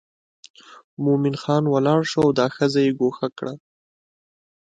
مومن خان ولاړ شو او دا ښځه یې ګوښه کړه.